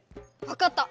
わかった！